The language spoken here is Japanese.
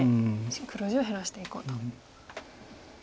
黒地を減らしていこうと。